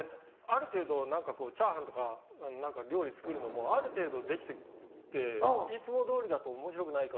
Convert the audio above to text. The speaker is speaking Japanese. ある程度炒飯とか料理作るのもある程度できてていつもどおりだとおもしろくない。